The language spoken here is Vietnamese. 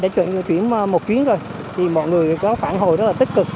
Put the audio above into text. chuyển một chuyến rồi thì mọi người có phản hồi rất là tích cực